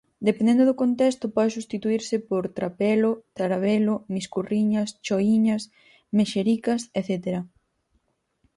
Dependendo do contexto, pode substituírse por trapelo, tarabelo, miscurriñas, choíñas, mexericas etcétera.